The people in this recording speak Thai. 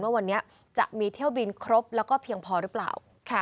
ว่าวันนี้จะมีเที่ยวบินครบแล้วก็เพียงพอหรือเปล่า